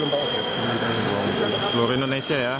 seluruh indonesia ya